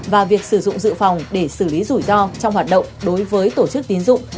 và việc sử dụng dự phòng để xử lý rủi ro trong hoạt động đối với tổ chức tín dụng